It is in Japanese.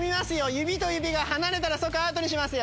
指と指が離れたら即アウトにしますよ。